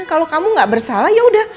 kalau kamu gak bersalah yaudah